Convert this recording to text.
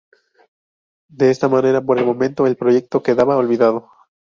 De esta manera, por el momento, el proyecto quedaba olvidado.